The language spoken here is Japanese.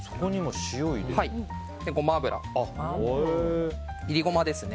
ゴマ油、いりゴマですね。